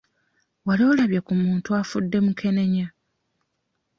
Wali olabye ku muntu afudde mukenenya?